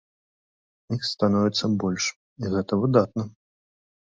Іх становіцца больш, і гэта выдатна.